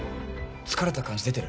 疲れた感じ出てる？